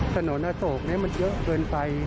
สนุนอโตกมันเยอะเกินไป